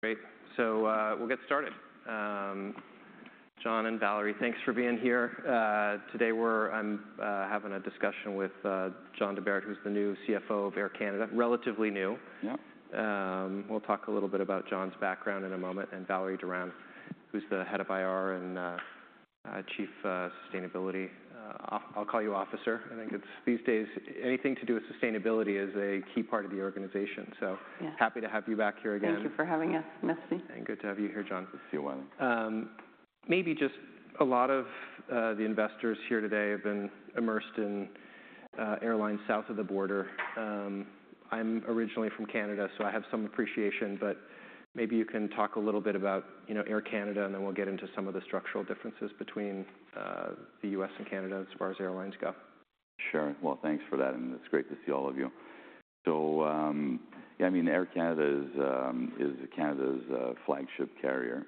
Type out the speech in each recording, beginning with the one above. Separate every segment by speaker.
Speaker 1: Great. So, we'll get started. John and Valérie, thanks for being here. Today, I'm having a discussion with John Di Bert, who's the new CFO of Air Canada. Relatively new.
Speaker 2: Yep.
Speaker 1: We'll talk a little bit about John's background in a moment, and Valérie Durand, who's the head of IR and chief sustainability. I'll call you officer. I think it's... These days, anything to do with sustainability is a key part of the organization. Yeah. Happy to have you back here again. Thank you for having us, Misty. And good to have you here, John.
Speaker 2: Thank you. Well-
Speaker 1: Maybe just a lot of the investors here today have been immersed in airlines south of the border. I'm originally from Canada, so I have some appreciation, but maybe you can talk a little bit about, you know, Air Canada, and then we'll get into some of the structural differences between the U.S. and Canada as far as airlines go.
Speaker 2: Sure. Well, thanks for that, and it's great to see all of you. So, yeah, I mean, Air Canada is, is Canada's, flagship carrier.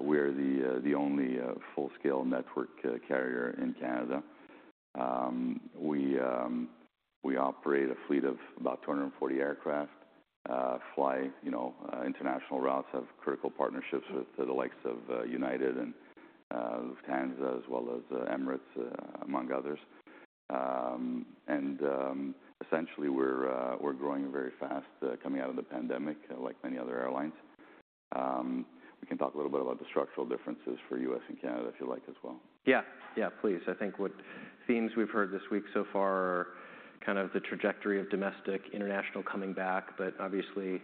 Speaker 2: We're the, the only, full-scale network, carrier in Canada. We, we operate a fleet of about 240 aircraft, fly, you know, international routes, have critical partnerships with the likes of, United and, Lufthansa, as well as, Emirates, among others. And, essentially, we're, we're growing very fast, coming out of the pandemic, like many other airlines. We can talk a little bit about the structural differences for U.S. and Canada, if you like, as well.
Speaker 1: Yeah. Yeah, please. I think what themes we've heard this week so far are kind of the trajectory of domestic, international coming back, but obviously,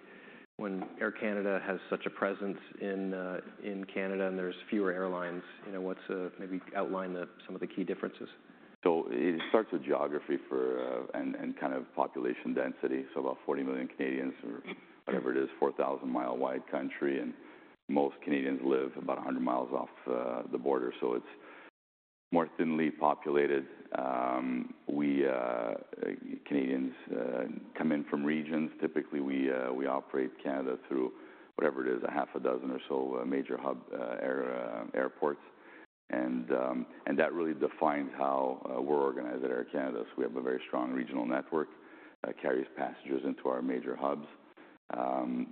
Speaker 1: when Air Canada has such a presence in, in Canada and there's fewer airlines, you know, what's... Maybe outline the, some of the key differences.
Speaker 2: So it starts with geography for and kind of population density. So about 40 million Canadians or whatever it is, 4,000-mile-wide country, and most Canadians live about 100 miles off the border, so it's more thinly populated. We Canadians come in from regions. Typically, we operate Canada through whatever it is, a half a dozen or so major hub airports. And that really defines how we're organized at Air Canada. So we have a very strong regional network that carries passengers into our major hubs.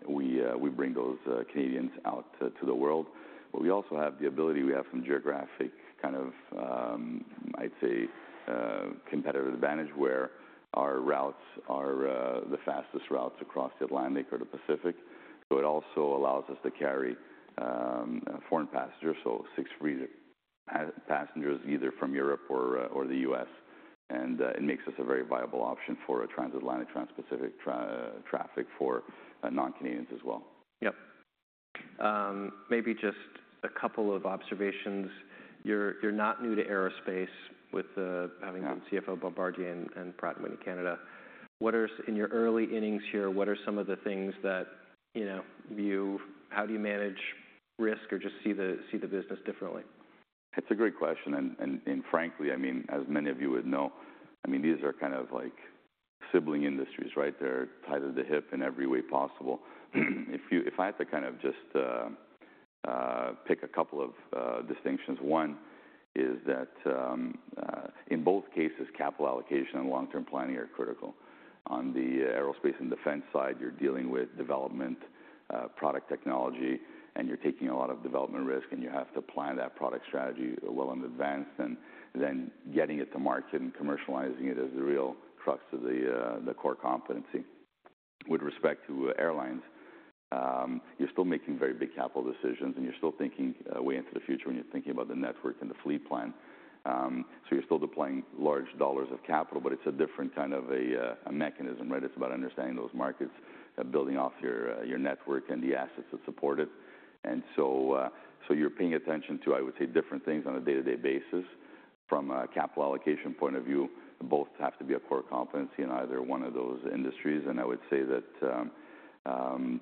Speaker 2: We bring those Canadians out to the world. But we also have the ability, we have some geographic kind of, I'd say, competitive advantage, where our routes are the fastest routes across the Atlantic or the Pacific. So it also allows us to carry foreign passengers, so sixth freedom passengers, either from Europe or the US, and it makes us a very viable option for a transatlantic, transpacific traffic for non-Canadians as well.
Speaker 1: Yep. Maybe just a couple of observations. You're not new to aerospace with,
Speaker 2: Yeah...
Speaker 1: having CFO of Bombardier and Pratt & Whitney Canada. What are... In your early innings here, what are some of the things that, you know, you— How do you manage risk or just see the business differently?
Speaker 2: It's a great question, and frankly, I mean, as many of you would know, I mean, these are kind of like sibling industries, right? They're tied at the hip in every way possible. If I had to kind of just pick a couple of distinctions, one is that in both cases, capital allocation and long-term planning are critical. On the aerospace and defense side, you're dealing with development, product technology, and you're taking a lot of development risk, and you have to plan that product strategy well in advance, and then getting it to market and commercializing it is the real crux of the core competency. With respect to airlines, you're still making very big capital decisions, and you're still thinking way into the future when you're thinking about the network and the fleet plan. So you're still deploying large dollars of capital, but it's a different kind of a, a mechanism, right? It's about understanding those markets and building off your, your network and the assets that support it. And so, so you're paying attention to, I would say, different things on a day-to-day basis. From a capital allocation point of view, both have to be a core competency in either one of those industries. And I would say that, you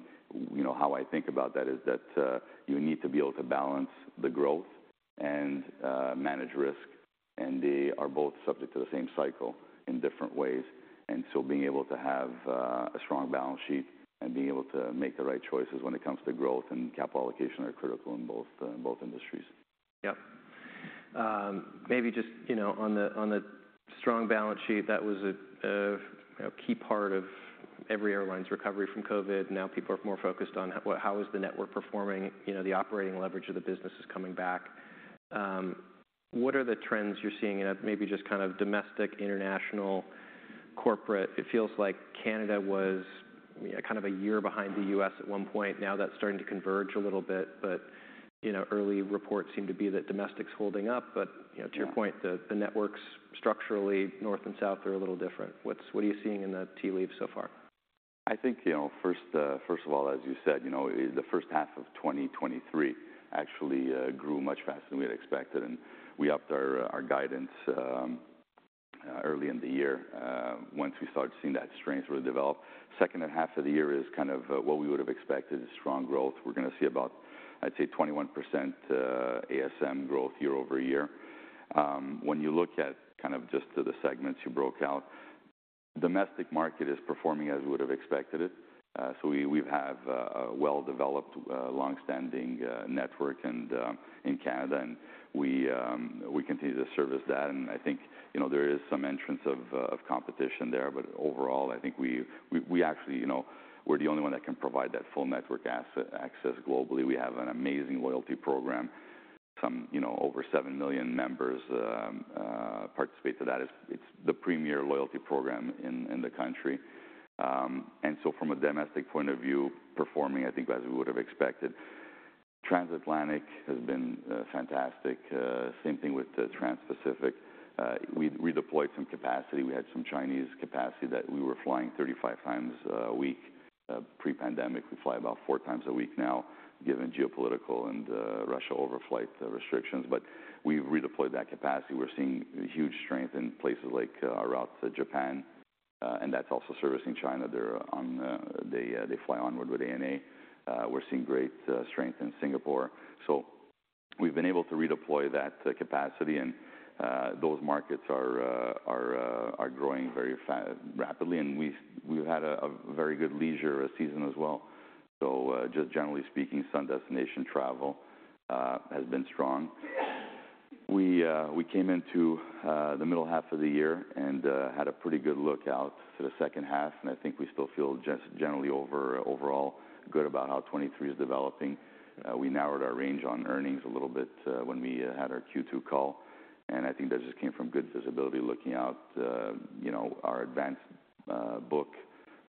Speaker 2: know, how I think about that is that, you need to be able to balance the growth and, manage risk, and they are both subject to the same cycle in different ways. Being able to have a strong balance sheet and being able to make the right choices when it comes to growth and capital allocation are critical in both industries.
Speaker 1: Yep. Maybe just, you know, on the strong balance sheet, that was a, you know, key part of every airline's recovery from COVID. Now people are more focused on how is the network performing, you know, the operating leverage of the business is coming back. What are the trends you're seeing in a maybe just kind of domestic, international, corporate? It feels like Canada was, you know, kind of a year behind the U.S. at one point. Now that's starting to converge a little bit, but, you know, early reports seem to be that domestic's holding up. But, you know-
Speaker 2: Yeah...
Speaker 1: to your point, the networks structurally, north and south are a little different. What are you seeing in the tea leaves so far?
Speaker 2: I think, you know, first, first of all, as you said, you know, the first half of 2023 actually grew much faster than we had expected, and we upped our, our guidance, early in the year, once we started seeing that strength really develop. Second half of the year is kind of, what we would have expected, is strong growth. We're gonna see about, I'd say, 21%, ASM growth year-over-year. When you look at kind of just to the segments you broke out, domestic market is performing as we would have expected it. So we, we've have a, a well-developed, long-standing, network and, in Canada, and we, we continue to service that. I think, you know, there is some entrance of of competition there, but overall, I think we've we actually, you know, we're the only one that can provide that full network asset, access globally. We have an amazing loyalty program. Some, you know, over 7 million members participate to that. It's the premier loyalty program in the country. So from a domestic point of view, performing, I think, as we would have expected. Transatlantic has been fantastic, same thing with the Transpacific. We deployed some capacity. We had some Chinese capacity that we were flying 35 times a week pre-pandemic. We fly about 4 times a week now, given geopolitical and Russia overflight restrictions, but we redeployed that capacity. We're seeing huge strength in places like routes to Japan, and that's also servicing China. They fly onward with ANA. We're seeing great strength in Singapore. So we've been able to redeploy that capacity and those markets are growing very fast, rapidly, and we've had a very good leisure season as well. So just generally speaking, sun destination travel has been strong. We came into the middle half of the year and had a pretty good look out for the second half, and I think we still feel just generally overall good about how 2023 is developing. We narrowed our range on earnings a little bit when we had our Q2 call, and I think that just came from good visibility. Looking out, you know, our advanced book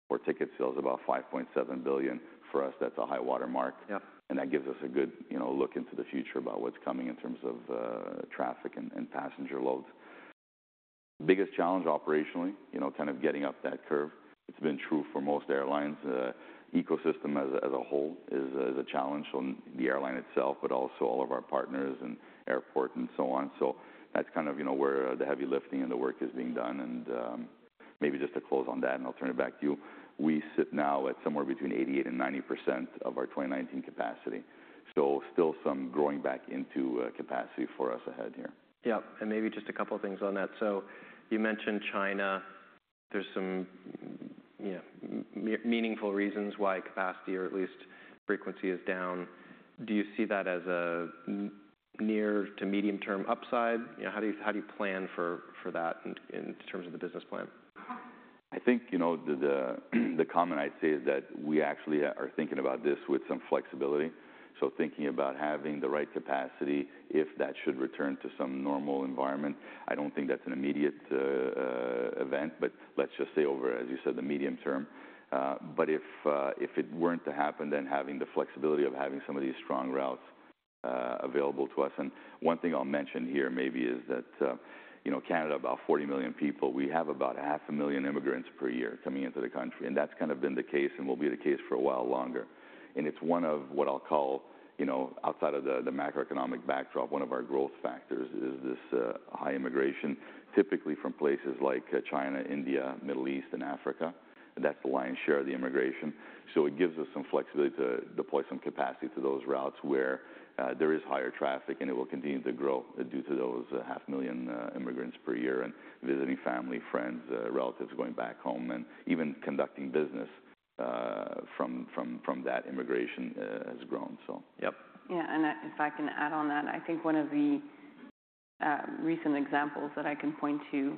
Speaker 2: for ticket sales, about 5.7 billion. For us, that's a high watermark.
Speaker 1: Yeah.
Speaker 2: That gives us a good, you know, look into the future about what's coming in terms of traffic and passenger loads. Biggest challenge operationally, you know, kind of getting up that curve. It's been true for most airlines. Ecosystem as a whole is a challenge from the airline itself, but also all of our partners and airport and so on. So that's kind of, you know, where the heavy lifting and the work is being done. And maybe just to close on that, and I'll turn it back to you. We sit now at somewhere between 88% and 90% of our 2019 capacity, so still some growing back into capacity for us ahead here.
Speaker 1: Yeah, and maybe just a couple of things on that. So you mentioned China. There's some, you know, meaningful reasons why capacity or at least frequency is down. Do you see that as a near to medium-term upside? You know, how do you plan for that in terms of the business plan?
Speaker 2: I think, you know, the comment I'd say is that we actually are thinking about this with some flexibility. So thinking about having the right capacity, if that should return to some normal environment, I don't think that's an immediate event, but let's just say over, as you said, the medium term. But if it weren't to happen, then having the flexibility of having some of these strong routes available to us. And one thing I'll mention here maybe is that, you know, Canada, about 40 million people, we have about 500,000 immigrants per year coming into the country, and that's kind of been the case and will be the case for a while longer. It's one of what I'll call, you know, outside of the macroeconomic backdrop, one of our growth factors is this high immigration, typically from places like China, India, Middle East, and Africa. That's the lion's share of the immigration. So it gives us some flexibility to deploy some capacity to those routes where there is higher traffic, and it will continue to grow due to those 500,000 immigrants per year, and visiting family, friends, relatives going back home, and even conducting business from that immigration has grown. So yep.
Speaker 3: Yeah, and if I can add on that, I think one of the recent examples that I can point to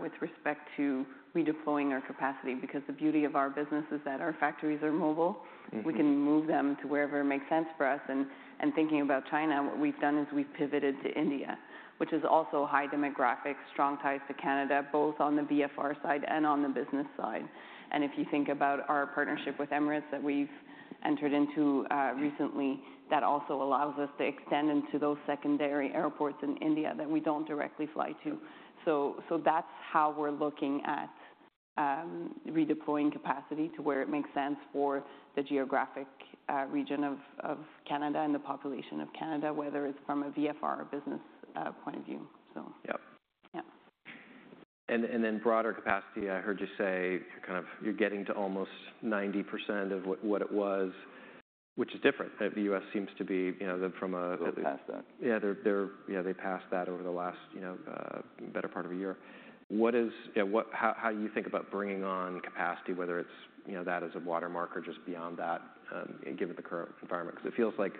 Speaker 3: with respect to redeploying our capacity, because the beauty of our business is that our factories are mobile.
Speaker 2: Mm-hmm.
Speaker 3: We can move them to wherever it makes sense for us. And thinking about China, what we've done is we've pivoted to India, which is also high demographic, strong ties to Canada, both on the VFR side and on the business side. And if you think about our partnership with Emirates that we've entered into recently, that also allows us to extend into those secondary airports in India that we don't directly fly to. So that's how we're looking at redeploying capacity to where it makes sense for the geographic region of Canada and the population of Canada, whether it's from a VFR or business point of view. So-
Speaker 2: Yep.
Speaker 3: Yeah.
Speaker 1: Then broader capacity, I heard you say kind of you're getting to almost 90% of what it was, which is different. The U.S. seems to be, you know, from a-
Speaker 2: Little past that.
Speaker 1: Yeah, they're... Yeah, they passed that over the last, you know, better part of a year. Yeah, what - how do you think about bringing on capacity, whether it's, you know, that as a watermark or just beyond that, given the current environment? Because it feels like,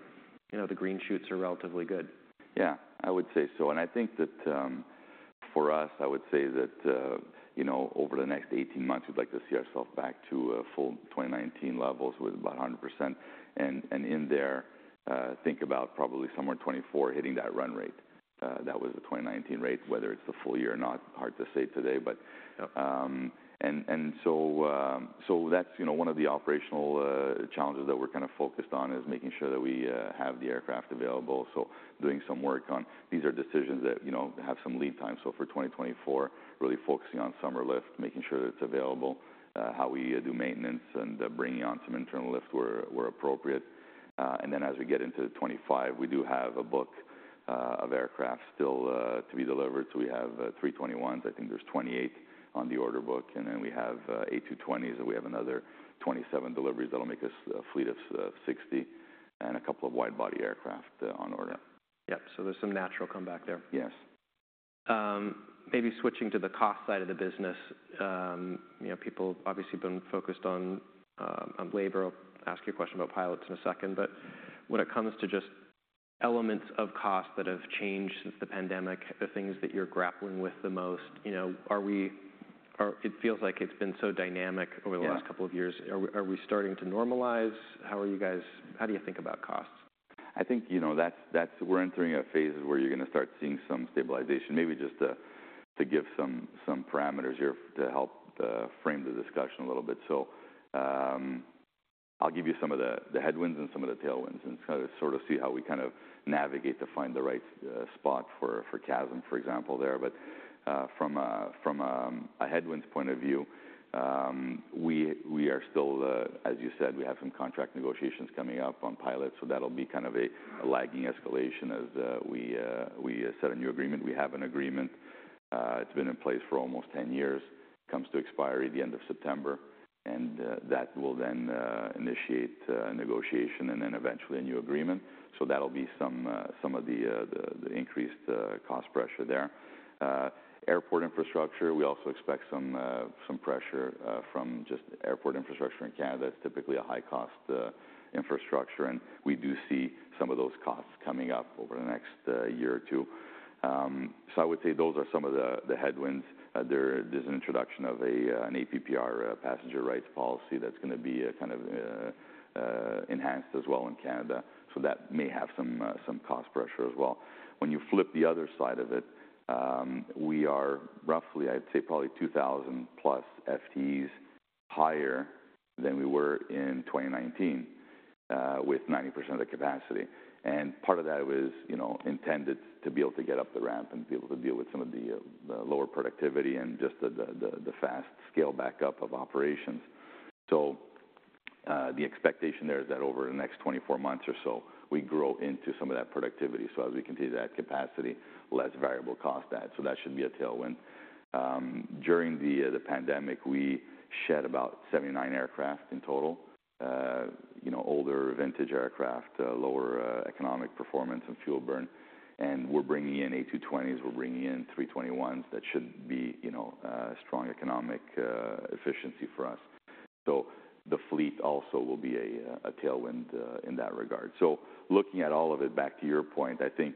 Speaker 1: you know, the green shoots are relatively good.
Speaker 2: Yeah, I would say so. And I think that, for us, I would say that, you know, over the next 18 months, we'd like to see ourselves back to full 2019 levels with about 100%. And in there, think about probably somewhere 2024 hitting that run rate. That was the 2019 rate, whether it's the full year or not, hard to say today, but-
Speaker 1: Yep...
Speaker 2: and so that's, you know, one of the operational challenges that we're kind of focused on, is making sure that we have the aircraft available. So doing some work on— These are decisions that, you know, have some lead time. So for 2024, really focusing on summer lift, making sure it's available, how we do maintenance and bringing on some internal lift where appropriate. And then as we get into 2025, we do have a book of aircraft still to be delivered. So we have three 321s. I think there's 28 on the order book, and then we have eight 220s, and we have another 27 deliveries. That'll make us a fleet of 60 and a couple of wide-body aircraft on order.
Speaker 1: Yep. So there's some natural comeback there.
Speaker 2: Yes.
Speaker 1: Maybe switching to the cost side of the business, you know, people obviously been focused on labor. I'll ask you a question about pilots in a second, but when it comes to just elements of cost that have changed since the pandemic, the things that you're grappling with the most, you know, or it feels like it's been so dynamic over the-
Speaker 2: Yeah
Speaker 1: Last couple of years. Are we, are we starting to normalize? How are you guys, how do you think about costs?
Speaker 2: I think, you know, that's we're entering a phase where you're gonna start seeing some stabilization. Maybe just to give some parameters here to help frame the discussion a little bit. So, I'll give you some of the headwinds and some of the tailwinds and try to sort of see how we kind of navigate to find the right spot for CASM, for example, there. But, from a headwinds point of view, we are still, as you said, we have some contract negotiations coming up on pilots, so that'll be kind of a lagging escalation as we set a new agreement. We have an agreement. It's been in place for almost 10 years, comes to expiry at the end of September, and that will then initiate a negotiation and then eventually a new agreement. So that'll be some of the increased cost pressure there. Airport infrastructure, we also expect some pressure from just airport infrastructure in Canada. It's typically a high cost infrastructure, and we do see some of those costs coming up over the next year or two. So I would say those are some of the headwinds. There's an introduction of an APPR passenger rights policy that's gonna be kind of enhanced as well in Canada, so that may have some cost pressure as well. When you flip the other side of it, we are roughly, I'd say probably 2,000 plus FTEs higher than we were in 2019, with 90% of the capacity. And part of that was, you know, intended to be able to get up the ramp and be able to deal with some of the lower productivity and just the fast scaleback up of operations. So, the expectation there is that over the next 24 months or so, we grow into some of that productivity. So as we continue that capacity, less variable cost add, so that should be a tailwind. During the pandemic, we shed about 79 aircraft in total. You know, older vintage aircraft, lower economic performance and fuel burn, and we're bringing in A220s, we're bringing in A321s that should be, you know, strong economic efficiency for us. So the fleet also will be a tailwind in that regard. So looking at all of it, back to your point, I think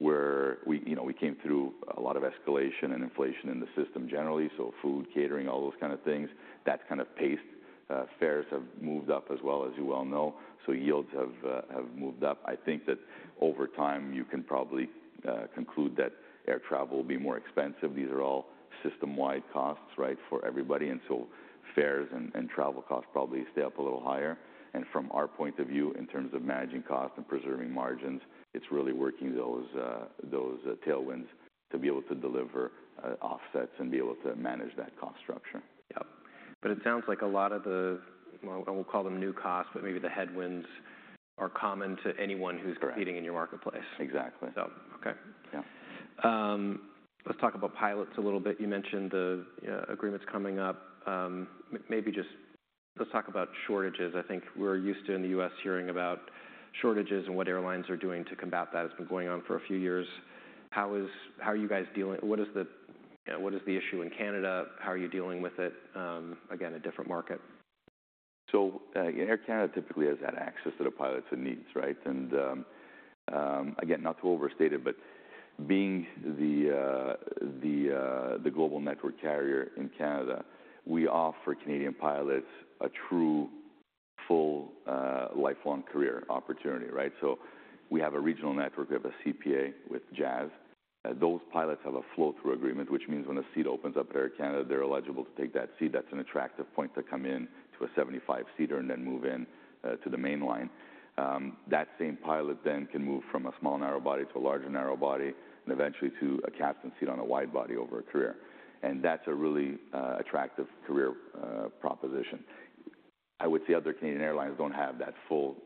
Speaker 2: we, you know, we came through a lot of escalation and inflation in the system generally, so food, catering, all those kind of things. That kind of paced, fares have moved up as well, as you well know, so yields have moved up. I think that over time, you can probably conclude that air travel will be more expensive. These are all system-wide costs, right, for everybody, and so fares and travel costs probably stay up a little higher. From our point of view, in terms of managing costs and preserving margins, it's really working those tailwinds to be able to deliver offsets and be able to manage that cost structure.
Speaker 1: Yep. But it sounds like a lot of the, well, I won't call them new costs, but maybe the headwinds are common to anyone-
Speaker 2: Correct
Speaker 1: Who's competing in your marketplace?
Speaker 2: Exactly.
Speaker 1: So, okay.
Speaker 2: Yeah.
Speaker 1: Let's talk about pilots a little bit. You mentioned the agreements coming up. Let's talk about shortages. I think we're used to, in the U.S., hearing about shortages and what airlines are doing to combat that. It's been going on for a few years. How is... How are you guys dealing? What is the, you know, what is the issue in Canada? How are you dealing with it? Again, a different market.
Speaker 2: So, Air Canada typically has had access to the pilots it needs, right? And, again, not to overstate it, but being the global network carrier in Canada, we offer Canadian pilots a true, full, lifelong career opportunity, right? So we have a regional network, we have a CPA with Jazz. Those pilots have a flow-through agreement, which means when a seat opens up at Air Canada, they're eligible to take that seat. That's an attractive point to come in to a 75-seater and then move in to the mainline. That same pilot then can move from a small narrow body to a larger narrow body, and eventually to a captain seat on a wide body over a career. And that's a really attractive career proposition. I would say other Canadian airlines don't have that full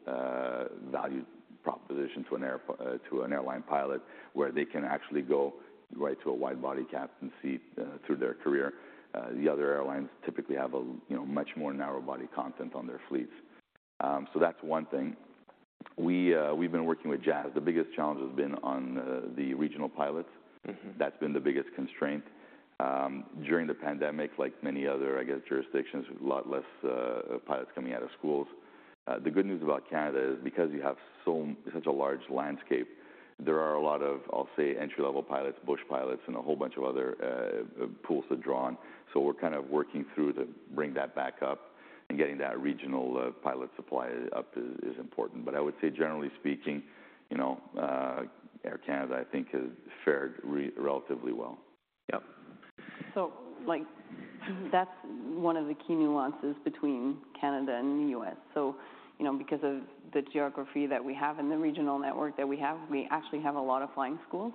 Speaker 2: value proposition to an airline pilot, where they can actually go right to a wide-body captain seat through their career. The other airlines typically have a, you know, much more narrow-body content on their fleets. So that's one thing. We've been working with Jazz. The biggest challenge has been on the regional pilots.
Speaker 1: Mm-hmm.
Speaker 2: That's been the biggest constraint. During the pandemic, like many other, I guess, jurisdictions, a lot less pilots coming out of schools. The good news about Canada is because you have such a large landscape, there are a lot of, I'll say, entry-level pilots, bush pilots, and a whole bunch of other pools to draw on. So we're kind of working through to bring that back up, and getting that regional pilot supply up is important. But I would say, generally speaking, you know, Air Canada, I think, has fared relatively well.
Speaker 1: Yep.
Speaker 3: So, like, that's one of the key nuances between Canada and the U.S. So, you know, because of the geography that we have and the regional network that we have, we actually have a lot of flying schools.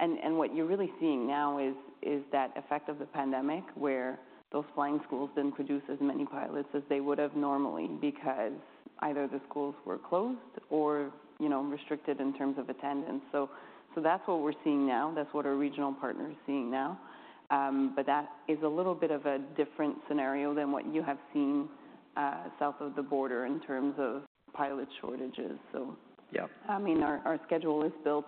Speaker 3: And what you're really seeing now is that effect of the pandemic, where those flying schools didn't produce as many pilots as they would have normally, because either the schools were closed or, you know, restricted in terms of attendance. So that's what we're seeing now, that's what our regional partner is seeing now. But that is a little bit of a different scenario than what you have seen south of the border in terms of pilot shortages, so.
Speaker 1: Yep.
Speaker 3: I mean, our schedule is built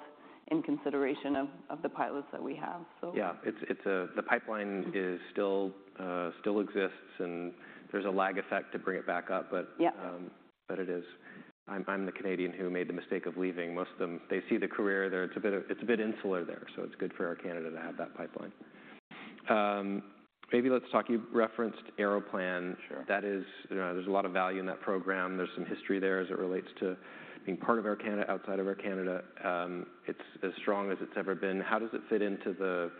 Speaker 3: in consideration of the pilots that we have, so.
Speaker 1: Yeah. It's, it's a-- the pipeline is still, still exists, and there's a lag effect to bring it back up, but-
Speaker 3: Yep...
Speaker 1: but it is. I'm the Canadian who made the mistake of leaving. Most of them, they see the career there. It's a bit insular there, so it's good for Air Canada to have that pipeline. Maybe let's talk, you referenced Aeroplan.
Speaker 2: Sure.
Speaker 1: That is, you know, there's a lot of value in that program. There's some history there as it relates to being part of Air Canada, outside of Air Canada. It's as strong as it's ever been. How does it fit into the,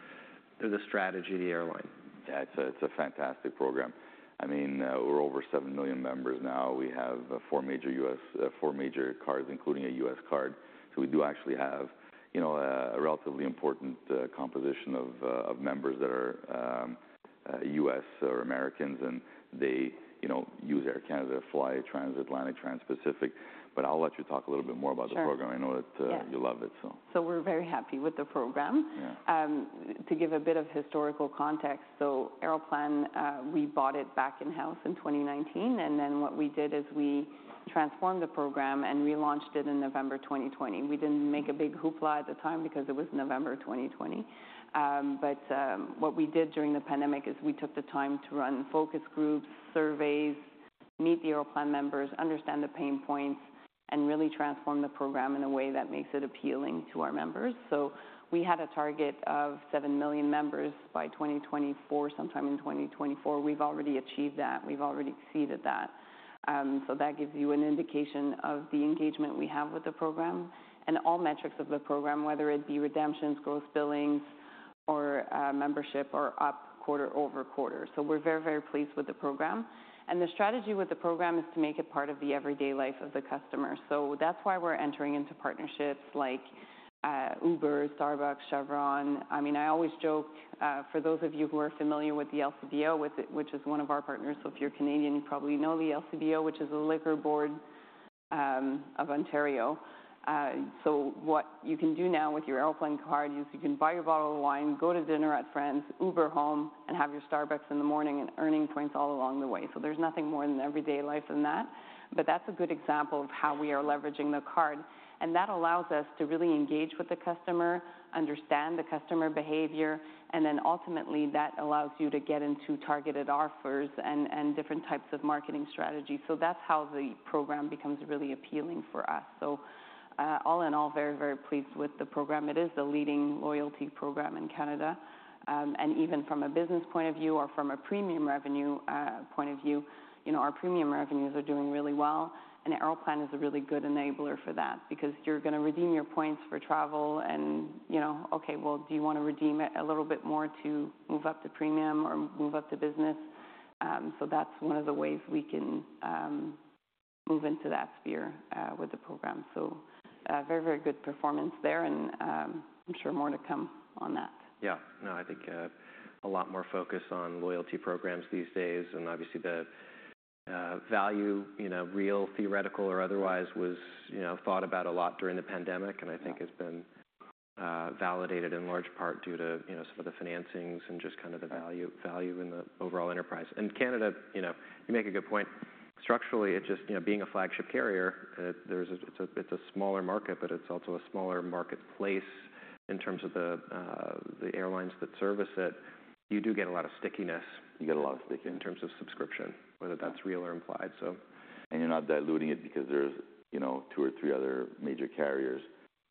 Speaker 1: to the strategy of the airline?
Speaker 2: Yeah, it's a, it's a fantastic program. I mean, we're over 7 million members now. We have four major U.S.-- four major cards, including a U.S. card. So we do actually have, you know, a, a relatively important, composition of, of members that are, U.S. or Americans, and they, you know, use Air Canada to fly transatlantic, transpacific. But I'll let you talk a little bit more about the program.
Speaker 3: Sure.
Speaker 2: I know that,
Speaker 3: Yeah...
Speaker 2: you love it, so.
Speaker 3: We're very happy with the program.
Speaker 2: Yeah.
Speaker 3: To give a bit of historical context, so Aeroplan, we bought it back in-house in 2019, and then what we did is we transformed the program and relaunched it in November 2020. We didn't make a big hoopla at the time because it was November 2020. But what we did during the pandemic is we took the time to run focus groups, surveys, meet the Aeroplan members, understand the pain points, and really transform the program in a way that makes it appealing to our members. So we had a target of 7 million members by 2024, sometime in 2024. We've already achieved that, we've already exceeded that. So that gives you an indication of the engagement we have with the program. All metrics of the program, whether it be redemptions, gross billings, or membership, are up quarter over quarter. We're very, very pleased with the program, and the strategy with the program is to make it part of the everyday life of the customer. That's why we're entering into partnerships like Uber, Starbucks, Chevron. I mean, I always joke for those of you who are familiar with the LCBO, with it—which is one of our partners, so if you're Canadian, you probably know the LCBO, which is a liquor board of Ontario. So what you can do now with your Aeroplan card is you can buy your bottle of wine, go to dinner at Friends, Uber home, and have your Starbucks in the morning, and earning points all along the way. So there's nothing more in the everyday life than that, but that's a good example of how we are leveraging the card, and that allows us to really engage with the customer, understand the customer behavior, and then ultimately, that allows you to get into targeted offers and, and different types of marketing strategies. So that's how the program becomes really appealing for us. So, all in all, very, very pleased with the program. It is the leading loyalty program in Canada. And even from a business point of view or from a premium revenue point of view, you know, our premium revenues are doing really well, and Aeroplan is a really good enabler for that, because you're going to redeem your points for travel and, you know... Okay, well, do you want to redeem it a little bit more to move up to premium or move up to business? So that's one of the ways we can move into that sphere with the program. So, very, very good performance there, and I'm sure more to come on that.
Speaker 1: Yeah. No, I think, a lot more focus on loyalty programs these days, and obviously the, value, you know, real, theoretical, or otherwise, was, you know, thought about a lot during the pandemic-
Speaker 3: Yeah...
Speaker 1: and I think has been validated in large part due to, you know, some of the financings and just kind of the value, value in the overall enterprise. And Canada, you know, you make a good point. Structurally, it just, you know, being a flagship carrier, it's a smaller market, but it's also a smaller marketplace in terms of the airlines that service it. You do get a lot of stickiness-
Speaker 2: You get a lot of stickiness....
Speaker 1: in terms of subscription, whether that's real or implied, so.
Speaker 2: You're not diluting it because there's, you know, two or three other major carriers,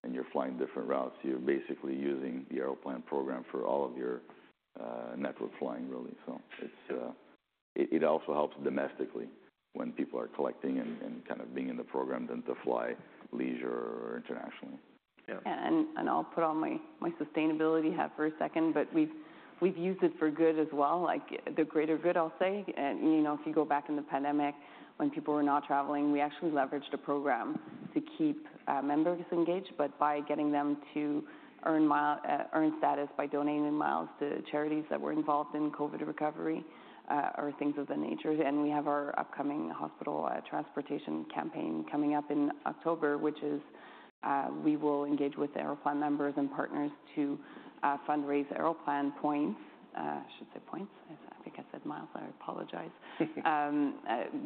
Speaker 2: and you're flying different routes, so you're basically using the Aeroplan program for all of your, network flying, really. So it's. It also helps domestically when people are collecting and kind of being in the program than to fly leisure or internationally.
Speaker 1: Yeah.
Speaker 3: Yeah, and I'll put on my sustainability hat for a second, but we've used it for good as well, like the greater good, I'll say. And, you know, if you go back in the pandemic, when people were not traveling, we actually leveraged a program to keep members engaged, but by getting them to earn status by donating miles to charities that were involved in COVID recovery, or things of that nature. And we have our upcoming hospital transportation campaign coming up in October, which is, we will engage with Aeroplan members and partners to fundraise Aeroplan points. I should say points. I think I said miles, I apologize.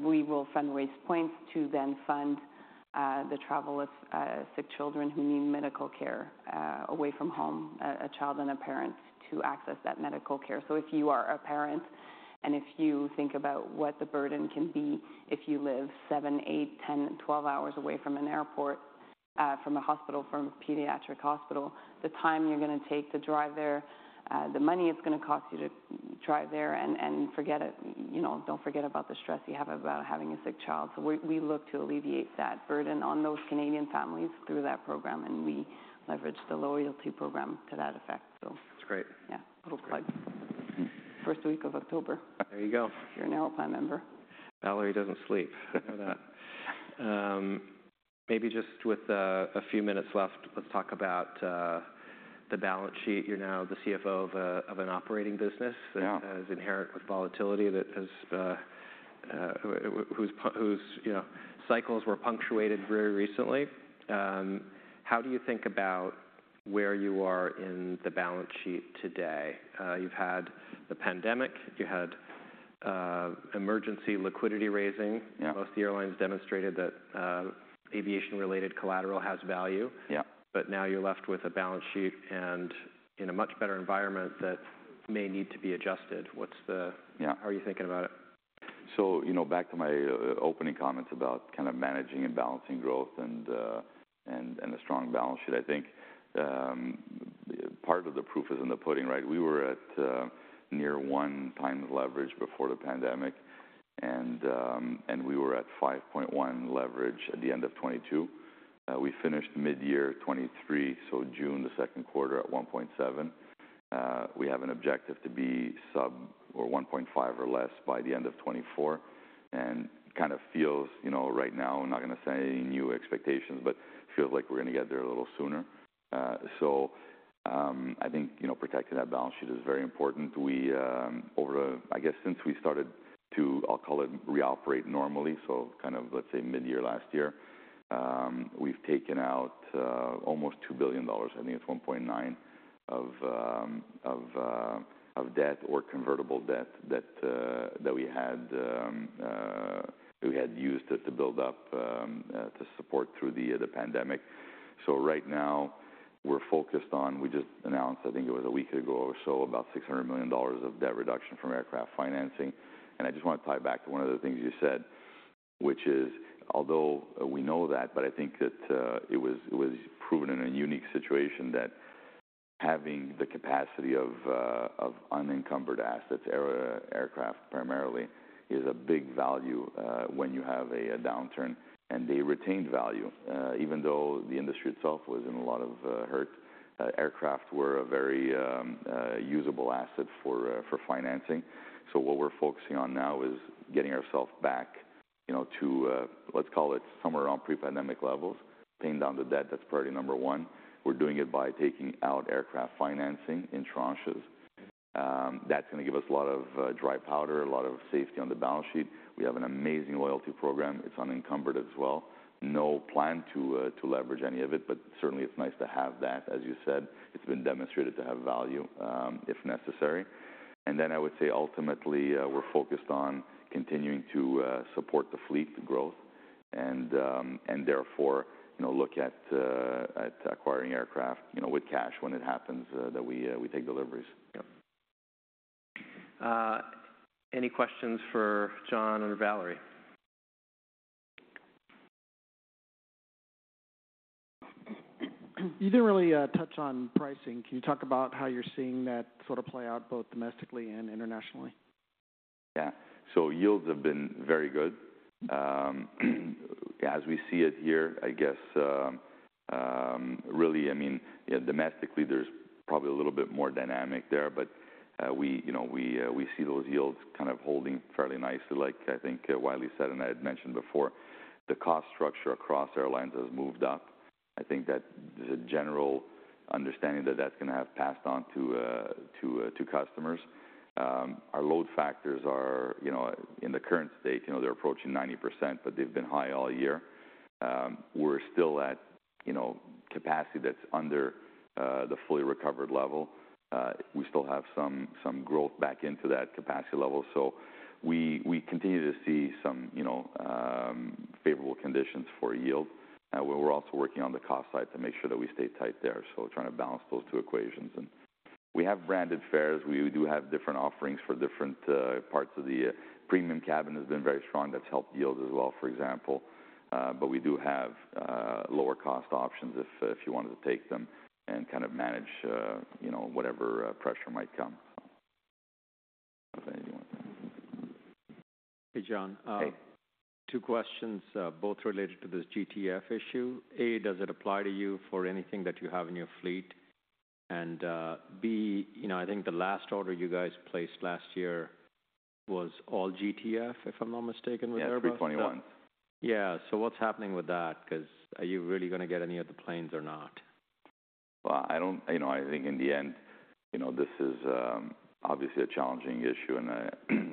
Speaker 3: We will fundraise points to then fund the travel of sick children who need medical care away from home, a child and a parent, to access that medical care. So if you are a parent, and if you think about what the burden can be, if you live 7, 8, 10, 12 hours away from an airport, from a hospital, from a pediatric hospital, the time you're going to take to drive there, the money it's going to cost you to drive there, and forget it... You know, don't forget about the stress you have about having a sick child. So we look to alleviate that burden on those Canadian families through that program, and we leverage the loyalty program to that effect, so.
Speaker 1: That's great.
Speaker 3: Yeah.
Speaker 1: That's great.
Speaker 3: Little plug. First week of October-
Speaker 1: There you go....
Speaker 3: if you're an Aeroplan member.
Speaker 1: Valérie doesn't sleep.
Speaker 2: I know that.
Speaker 1: Maybe just with a few minutes left, let's talk about the balance sheet. You're now the CFO of an operating business-
Speaker 2: Yeah...
Speaker 1: that has inherent with volatility, that has, whose, you know, cycles were punctuated very recently. How do you think about where you are in the balance sheet today? You've had the pandemic, you had, emergency liquidity raising.
Speaker 2: Yeah.
Speaker 1: Most of the airlines demonstrated that aviation-related collateral has value.
Speaker 2: Yeah.
Speaker 1: But now you're left with a balance sheet, and in a much better environment, that may need to be adjusted. What's the-
Speaker 2: Yeah...
Speaker 1: how are you thinking about it?...
Speaker 2: So, you know, back to my opening comments about kind of managing and balancing growth and a strong balance sheet. I think part of the proof is in the pudding, right? We were at near 1x leverage before the pandemic, and we were at 5.1 leverage at the end of 2022. We finished mid-year 2023, so June, the second quarter, at 1.7. We have an objective to be sub or 1.5 or less by the end of 2024. And kind of feels, you know, right now, I'm not going to say any new expectations, but it feels like we're going to get there a little sooner. So, I think, you know, protecting that balance sheet is very important. We over... I guess since we started to, I'll call it, reoperate normally, so kind of, let's say, mid-year last year, we've taken out almost 2 billion dollars, I think it's 1.9 billion, of debt or convertible debt that we had used to build up to support through the pandemic. So right now, we're focused on. We just announced, I think it was a week ago or so, 600 million dollars of debt reduction from aircraft financing. I just want to tie back to one of the things you said, which is, although we know that, but I think that it was proven in a unique situation that having the capacity of unencumbered assets, aircraft primarily, is a big value when you have a downturn and a retained value. Even though the industry itself was in a lot of hurt, aircraft were a very usable asset for financing. What we're focusing on now is getting ourselves back, you know, to let's call it somewhere around pre-pandemic levels, paying down the debt, that's priority number 1. We're doing it by taking out aircraft financing in tranches. That's going to give us a lot of dry powder, a lot of safety on the balance sheet. We have an amazing loyalty program. It's unencumbered as well. No plan to leverage any of it, but certainly it's nice to have that. As you said, it's been demonstrated to have value, if necessary. And then I would say ultimately, we're focused on continuing to support the fleet growth and therefore, you know, look at acquiring aircraft, you know, with cash when it happens, that we take deliveries. Yep.
Speaker 1: Any questions for John or Valérie?
Speaker 4: You didn't really touch on pricing. Can you talk about how you're seeing that sort of play out, both domestically and internationally?
Speaker 2: Yeah. So yields have been very good. As we see it here, I guess, really, I mean, domestically, there's probably a little bit more dynamic there, but, we, you know, we, we see those yields kind of holding fairly nicely, like I think Wylie said and I had mentioned before. The cost structure across airlines has moved up. I think that the general understanding that that's going to have passed on to, to, to customers. Our load factors are, you know, in the current state, you know, they're approaching 90%, but they've been high all year. We're still at, you know, capacity that's under, the fully recovered level. We still have some growth back into that capacity level, so we continue to see some, you know, favorable conditions for yield. We're also working on the cost side to make sure that we stay tight there, so we're trying to balance those two equations. We have branded fares. We do have different offerings for different parts of the premium cabin. Premium cabin has been very strong. That's helped yields as well, for example. But we do have lower cost options if you wanted to take them and kind of manage, you know, whatever pressure might come. So anything you want?
Speaker 5: Hey, John.
Speaker 2: Hey.
Speaker 5: Two questions, both related to this GTF issue. A, does it apply to you for anything that you have in your fleet? And, B, you know, I think the last order you guys placed last year was all GTF, if I'm not mistaken, with Airbus.
Speaker 2: Yeah, 321.
Speaker 5: Yeah. So what's happening with that? 'Cause are you really going to get any of the planes or not?
Speaker 2: Well, I don't... You know, I think in the end, you know, this is obviously a challenging issue, and I,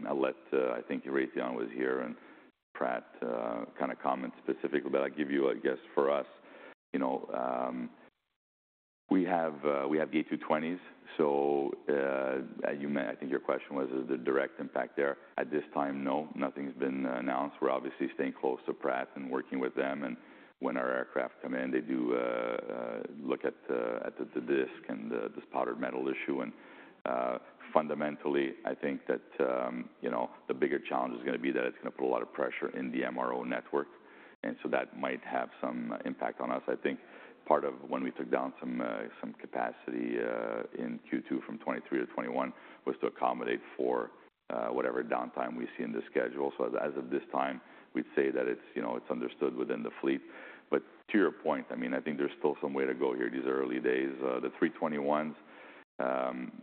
Speaker 2: I'll let, I think Raytheon was here and Pratt kind of comment specifically, but I'll give you, I guess, for us. You know, we have, we have A220s. So, you may- I think your question was, is the direct impact there? At this time, no, nothing's been announced. We're obviously staying close to Pratt and working with them, and when our aircraft come in, they do look at the disk and the powdered metal issue. And, fundamentally, I think that, you know, the bigger challenge is going to be that it's going to put a lot of pressure in the MRO network, and so that might have some impact on us. I think part of when we took down some, some capacity, in Q2 from 23 to 21 was to accommodate for, whatever downtime we see in the schedule. So as, as of this time, we'd say that it's, you know, it's understood within the fleet. But to your point, I mean, I think there's still some way to go here, these early days. The 321s,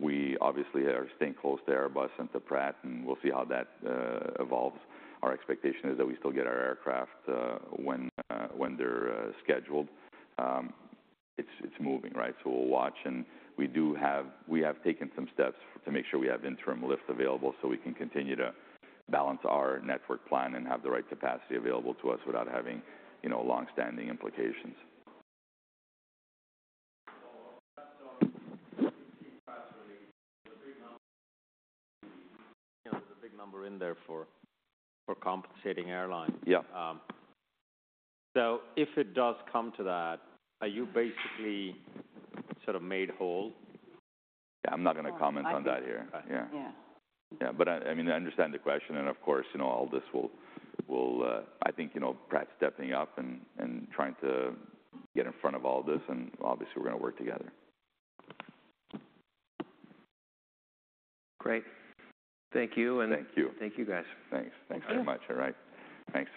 Speaker 2: we obviously are staying close to Airbus and to Pratt, and we'll see how that, evolves. Our expectation is that we still get our aircraft, when, when they're, scheduled. It's, it's moving, right? We'll watch, and we do have, we have taken some steps to make sure we have interim lift available, so we can continue to balance our network plan and have the right capacity available to us without having, you know, long-standing implications.
Speaker 5: That's the big number in there for compensating airlines.
Speaker 2: Yeah.
Speaker 5: If it does come to that, are you basically sort of made whole?
Speaker 2: Yeah, I'm not going to comment on that here. Yeah.
Speaker 3: Yeah.
Speaker 2: Yeah. Yeah, but I mean, I understand the question, and of course, you know, all this will. I think, you know, Pratt stepping up and trying to get in front of all this, and obviously, we're going to work together.
Speaker 5: Great. Thank you-
Speaker 2: Thank you.
Speaker 1: Thank you, guys.
Speaker 3: Thanks.
Speaker 2: Thanks so much.
Speaker 1: All right.
Speaker 2: Thanks.